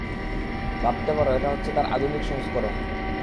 ভাবতে পারো এটা হচ্ছে তার আধুনিক সংস্করণ।